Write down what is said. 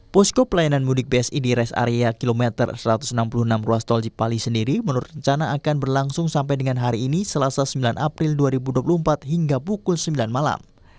posko pelayanan mudik bsi di res area kilometer satu ratus enam puluh enam ruas tol cipali sendiri menurut rencana akan berlangsung sampai dengan hari ini selasa sembilan april dua ribu dua puluh empat hingga pukul sembilan malam